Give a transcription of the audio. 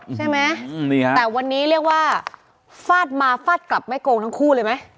ใช่ไหมแต่วันนี้เรียกว่าฟาดมาฟาดกลับไม่โกงทั้งคู่เลยไหม